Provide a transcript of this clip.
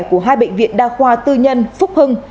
của hai bệnh viện đa khoa tư nhân phúc hưng